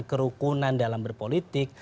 kerukunan dalam berpolitik